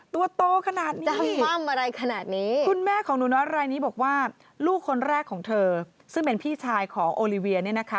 บอกว่าเสื้อผ้าที่เตรียมเอาไว้ใส่ไม่ได้แล้วล่ะค่ะหนูโอลิเวียค่ะ